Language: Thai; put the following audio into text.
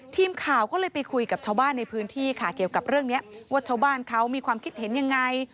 ทีมข่าวก็เลยไปคุยกับชาวบ้านในพื้นที่ค่ะเกี่ยวกับเรื่องนี้ว่าชาวบ้านเขามีความคิดเห็นยังไง